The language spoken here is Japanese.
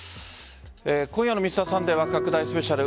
今夜の「Ｍｒ．サンデー」は拡大スペシャル。